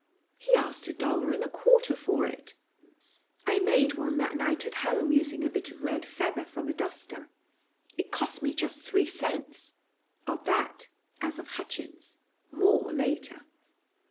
He asked a dollar and a quarter for it! [I made one that night at home, using a bit of red feather from a duster. It cost me just three cents. Of that, as of Hutchins, more later.